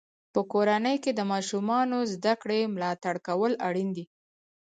په کورنۍ کې د ماشومانو د زده کړې ملاتړ کول اړین دی.